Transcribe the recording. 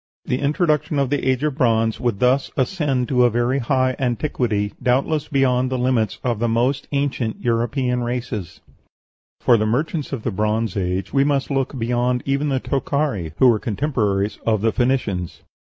The introduction of bronze would thus ascend to a very high antiquity, doubtless beyond the limits of the most ancient European races." For the merchants of the Bronze Age we must look beyond even the Tokhari, who were contemporaries of the Phoenicians.